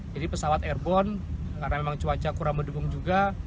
jadi pesawat airborne karena memang cuaca kurang mendukung juga